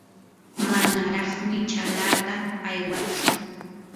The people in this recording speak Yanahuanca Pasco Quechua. manaraqmi chaalata aywatsu.